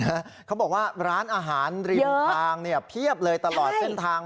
เขาบอกว่าร้านอาหารริมทางเนี่ยเพียบเลยตลอดเส้นทาง